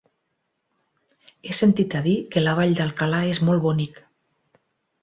He sentit a dir que la Vall d'Alcalà és molt bonic.